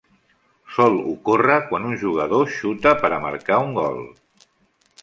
Sol ocórrer quan un jugador xuta per a marcar un gol.